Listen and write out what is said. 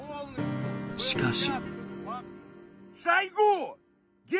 しかし。